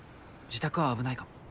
自宅は危ないかも。